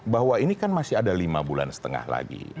bahwa ini kan masih ada lima bulan setengah lagi